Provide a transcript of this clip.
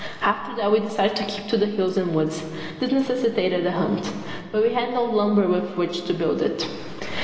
After that we decided to keep to the hills and woods. This necessitated a hut. But we had no lumber with which to build it.